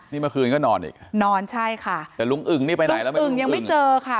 นี่เมื่อคืนก็นอนอีกนอนใช่ค่ะแต่ลุงอึ่งนี่ไปไหนแล้วแม่อึ่งยังไม่เจอค่ะ